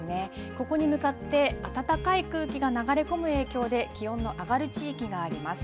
ここに向かって、暖かい空気が流れ込む影響で気温の上がる地域があります。